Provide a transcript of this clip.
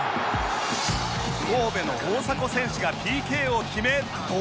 神戸の大迫選手が ＰＫ を決め同点！